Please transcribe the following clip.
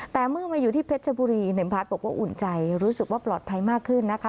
แต่เมื่อมาอยู่ที่เพชรชบุรีในพัฒน์บอกว่าอุ่นใจรู้สึกว่าปลอดภัยมากขึ้นนะคะ